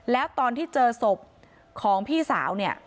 แล้วตอนที่เจอศพของพี่สาวเนี่ย